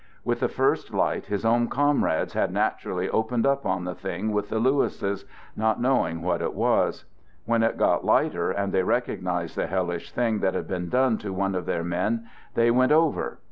With the first light his own comrades had naturally opened up on the thing with the Lewises, not knowing what it was. When it got lighter, and they recognized the [ hellish thing that had been done to one of their ; men, they went over.